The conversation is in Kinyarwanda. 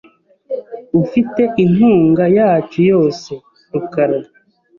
Ufite inkunga yacu yose, rukara .